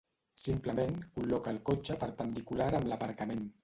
Simplement col·loca el cotxe perpendicular amb l'aparcament.